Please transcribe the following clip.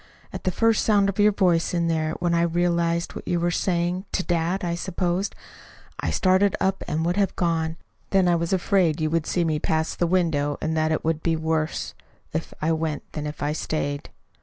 At the first sound of your voice in there, when I realized what you were saying (to dad, I supposed), I started up and would have gone. Then I was afraid you would see me pass the window, and that it would be worse if I went than if I stayed.